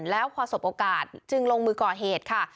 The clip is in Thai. แล้วพอสบโอกาสจึงลงมือก่อเหตุค่ะ